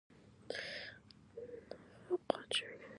نفاق واچوي.